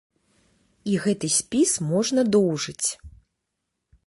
І гэты спіс можна доўжыць!